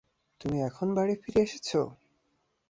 তুমি এখন বাড়ি ফিরে এসেছো।